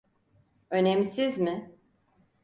Önemsiz mi?